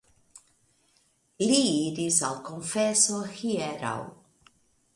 Li iris al konfeso hieraŭ.